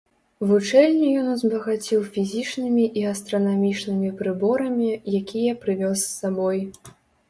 Вучэльню ён узбагаціў фізічнымі і астранамічнымі прыборамі, якія прывёз з сабой.